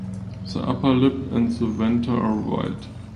The upper lip and the venter are white.